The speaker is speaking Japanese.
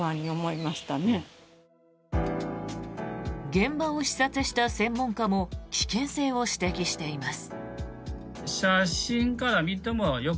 現場を視察した専門家も危険性を指摘しています。